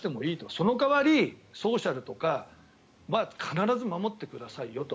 その代わりソーシャルとかは必ず守ってくださいよと。